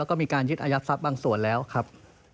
แล้วก็มีการยึดอายัดทรัพย์บางส่วนแล้วครับ